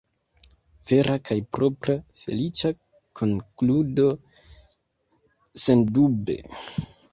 Vera kaj propra “feliĉa konkludo”, sendube.